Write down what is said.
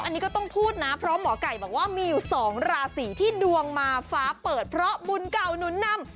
อันนี้ก็ต้องพูดนะเพราะหมอไก่บอกว่ามีอยู่๒ราศีที่ดวงมาฟ้าเปิดเพราะบุญเก่าหนุนนำ